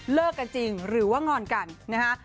เลิกกันจริงหรือว่างอนกันนะฮะ